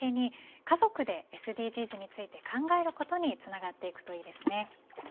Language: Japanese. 今回のメニューをきっかけに家族でＳＤＧｓについて考えることにつながっていくといいですね。